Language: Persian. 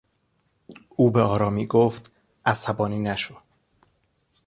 او به آرامی گفت "عصبانی نشو!"